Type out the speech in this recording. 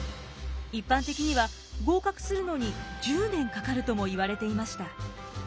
一般的には合格するのに１０年かかるともいわれていました。